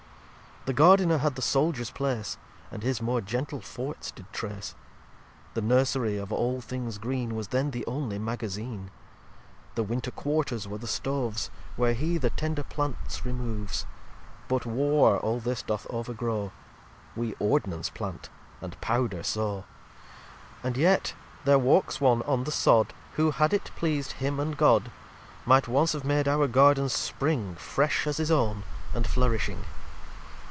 xliii The Gardiner had the Souldiers place, And his more gentle Forts did trace. The Nursery of all things green Was then the only Magazeen. The Winter Quarters were the Stoves, Where he the tender Plants removes. But War all this doth overgrow: We Ord'nance Plant and Powder sow. xliv And yet their walks one on the Sod Who, had it pleased him and God, Might once have made our Gardens spring Fresh as his own and flourishing.